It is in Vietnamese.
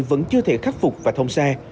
vẫn chưa thể khắc phục và thông xe